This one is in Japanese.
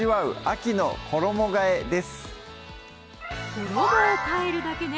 秋の衣替え」です